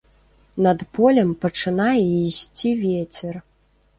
Над полем пачынае ісці вецер.